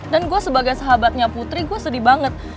dan gua sebagai sahabatnya putri gua sedih banget